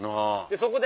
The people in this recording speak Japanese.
そこで。